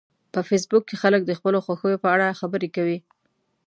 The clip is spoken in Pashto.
په فېسبوک کې خلک د خپلو خوښیو په اړه خبرې کوي